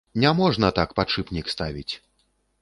Не можна так падшыпнік ставіць.